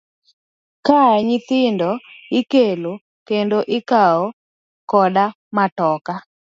Kae nyithindo ikelo kendo ikawo koda matoka.